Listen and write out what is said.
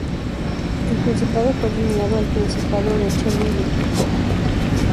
El principado fue alienado al principado de Chernígov.